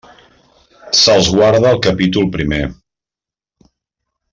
Se'ls guarda al capítol primer.